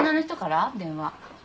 電話。